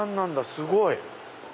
すごい。